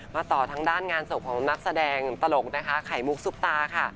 มาต่อทั้งด้านงานศพของนักแสดงตลกไขมุกซุปตาค่ะ